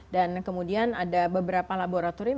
dan kemudian ada beberapa laboratorium